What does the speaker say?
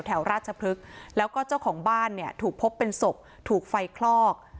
แถวราชพฤกษ์แล้วก็เจ้าของบ้านเนี่ยถูกพบเป็นศพถูกไฟคลอก